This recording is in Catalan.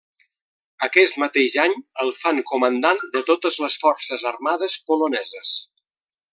Aquest mateix any el fan comandant de totes les forces armades poloneses.